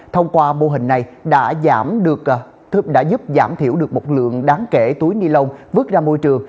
thông qua mô hình này đã giúp giảm thiểu được một lượng đáng kể túi ni lông vứt ra môi trường